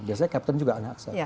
biasanya kapten juga anak anak